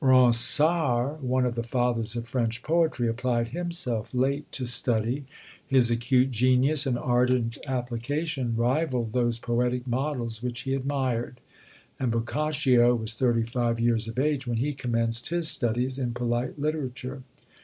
Ronsard, one of the fathers of French poetry, applied himself late to study. His acute genius, and ardent application, rivalled those poetic models which he admired; and Boccaccio was thirty five years of age when he commenced his studies in polite literature.